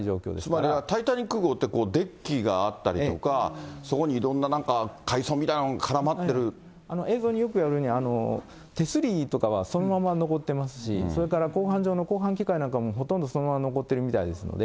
つまりはタイタニック号ってデッキがあったりとか、そこにいろんななんか、映像によくあるように、手すりとかはそのまま残ってますし、それから甲板上の甲板機械なんかも、ほとんどそのまま残ってるみたいですので。